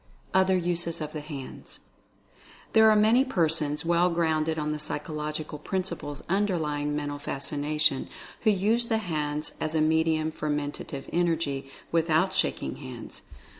OTHER USES OF THE HANDS. There are many persons, well grounded on the psychological principles underlying Mental Fascina tion, who use the hands as a medium for Mentative Energy, without shaking hands.